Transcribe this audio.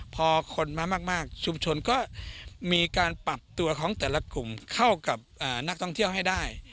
พอคนมามากชุมชนก็มีการปรับตัวของแต่ละกลุ่มเข้ากับนักท่องเที่ยวให้ได้